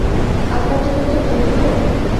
আপনার জন্য একটা ড্রিংক নিবো?